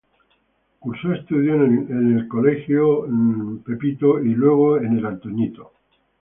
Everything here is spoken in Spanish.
Cursó estudios en el Inmaculado Corazón y luego en el Colegio Santa María Marianistas.